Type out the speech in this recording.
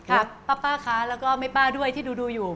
ครับป๊าป๊าค่ะแล้วก็แม่ป๊าด้วยที่ดูอยู่